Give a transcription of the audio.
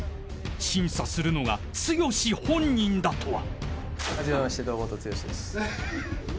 ［審査するのが剛本人だとは］